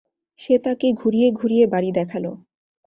সে তাকে ঘুরিয়ে ঘুরিয়ে বাড়ি দেখাল।